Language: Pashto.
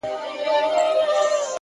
• په قفس کي به ککړي درته کړمه ,